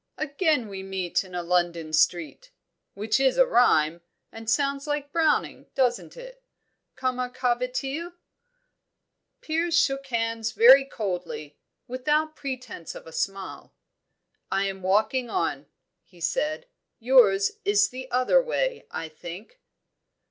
Again we meet in a London street which is rhyme, and sounds like Browning, doesn't it? Comment ca va t il?" Piers shook hands very coldly, without pretence of a smile. "I am walking on," he said. "Yours is the other way, I think."